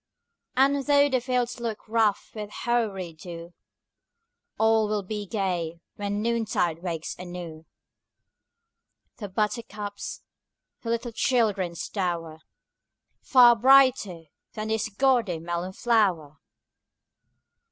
And though the fields look rough with hoary dew, All will be gay when noontide wakes anew The buttercups, the little children's dower Far brighter than this gaudy melon flower!